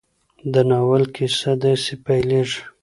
د ناول کیسه داسې پيلېږي.